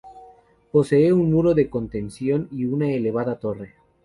Posee un muro de contención y una elevada torre.